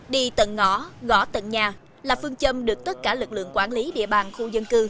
đi tận ngõ gõ tận nhà là phương châm được tất cả lực lượng quản lý địa bàn khu dân cư